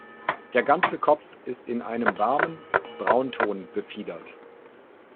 Der ganze Kopf ist in einem warmen Braunton befiedert.